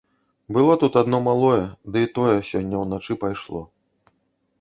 Было тут адно малое, ды і тое сёння ўначы пайшло.